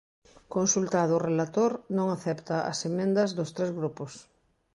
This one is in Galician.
Consultado o relator, non acepta as emendas dos tres grupos.